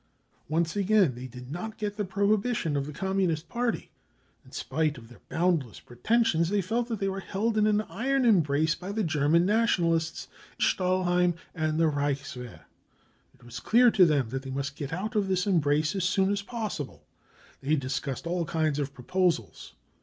Once again they did not get the prohibition of the Communist Party. In spite of their boundless preten sions, they felt that they were held in an iron embrace by the German Nationalists, the Stahlhelm and the Reichswehr. It was clear to them that they must get out of this embrace as soon as possible. They discussed all kinds of proposals.